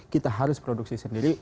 kita harus produksi sendiri